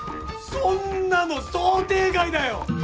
そんなの想定外だよ！